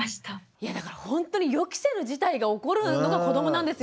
いやだからほんとに予期せぬ事態が起こるのが子どもなんですよね。